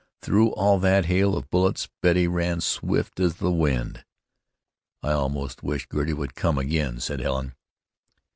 Through all that hail of bullets Betty ran swift as the wind." "I almost wish Girty would come again," said Helen.